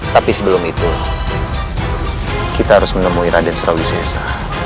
tapi sebelum itu kita harus menemui raden surawisesa